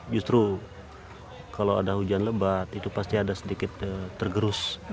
justru kalau ada hujan lebat itu pasti ada sedikit tergerus